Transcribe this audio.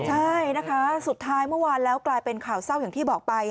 ใช่นะคะสุดท้ายเมื่อวานแล้วกลายเป็นข่าวเศร้าอย่างที่บอกไป